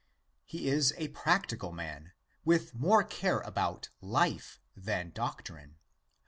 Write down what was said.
He is a practical man, with more care about life than doctrine.